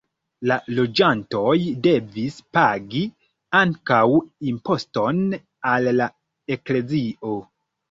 La loĝantoj devis pagi ankaŭ imposton al la eklezio.